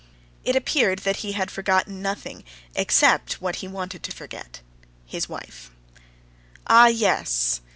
It appeared that he had forgotten nothing except what he wanted to forget—his wife. "Ah, yes!"